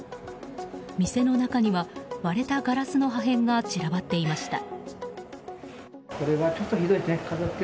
店の中には割れたガラスの破片が散らばっていました。